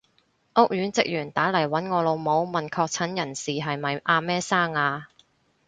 屋苑職員打嚟搵我老母，問確診人士係咪阿乜生啊？